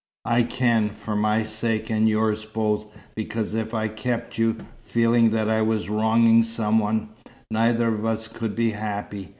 "I can, for my sake and yours both, because if I kept you, feeling that I was wronging some one, neither of us could be happy.